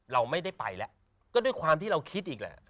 เราไม่ได้ไปแล้วก็ด้วยความที่เราคิดอีกแหละ